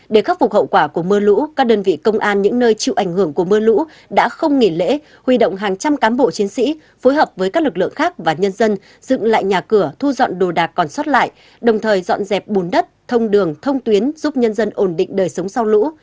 để khắc phục hậu quả của mưa lũ các đơn vị công an những nơi chịu ảnh hưởng của mưa lũ đã không nghỉ lễ huy động hàng trăm cán bộ chiến sĩ phối hợp với các lực lượng khác và nhân dân dựng lại nhà cửa thu dọn đồ đạc còn xót lại đồng thời dọn dẹp bùn đất thông đường thông tuyến giúp nhân dân ổn định đời sống sau lũ